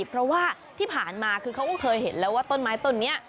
เพราะว่าที่ผ่านมาคือเขาก็เคยเห็นแล้วว่าต้นไม้ต้นนี้